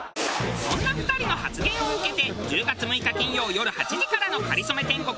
そんな２人の発言を受けて１０月６日金曜よる８時からの『かりそめ天国』２時間